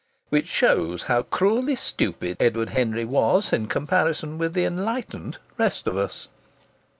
Which shows how cruelly stupid Edward Henry was in comparison with the enlightened rest of us.